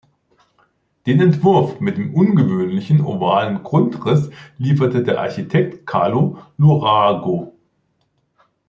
Den Entwurf mit dem ungewöhnlichen ovalen Grundriss lieferte der Architekt Carlo Lurago.